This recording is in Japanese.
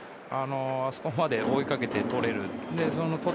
あそこまで追いかけてとれると。